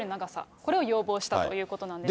これを要望したということなんですね。